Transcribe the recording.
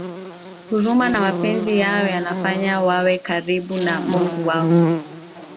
Huruma na mapenzi yao yanawafanya wawe karibu na Mungu wao